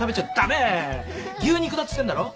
牛肉だっつってんだろ。